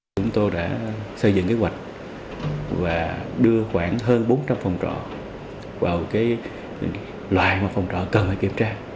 chúng tôi đã xây dựng kế hoạch và đưa khoảng hơn bốn trăm linh phòng trọ vào loại mà phòng trọ cần phải kiểm tra